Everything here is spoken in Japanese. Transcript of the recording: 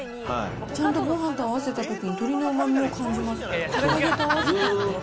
ちゃんとごはんと合わせたときに、鶏のうまみを感じますね。